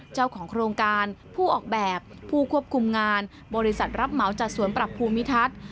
เจ้าของโครงการผู้ออกแบบผู้ควบคุมงานบริษัทรับเหมาจัดสวนปรับภูมิทัศน์